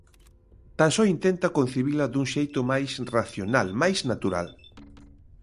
Tan só intenta concibila dun xeito máis racional, máis natural.